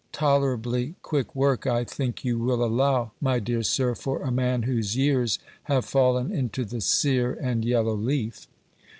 Tolerably quick work, I think you will allow, my dear sir, for a man whose years have fallen into the sere and yellow leaf.